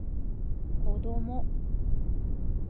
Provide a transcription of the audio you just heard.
子供